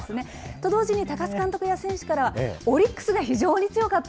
と同時に高津監督や選手からはオリックスが非常に強かった。